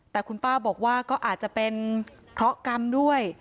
แต่คุณป้าบอกว่าก็อาจจะเป็นเคราะห์กรรมด้วย